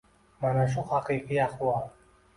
Mana shu haqiqiy ahvol.